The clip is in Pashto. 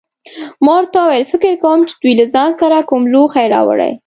ما ورته وویل: فکر کوم چې دوی له ځان سره خپل لوښي راوړي.